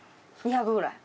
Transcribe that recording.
２００ぐらい？